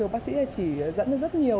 bác sĩ chỉ dẫn rất nhiều